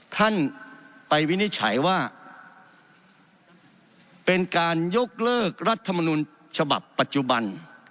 ท่านไปวินิจฉัยว่าเป็นการยกเลิกรัฐมนุนฉบับปัจจุบัน